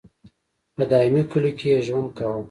په دایمي کلیو کې یې ژوند کاوه.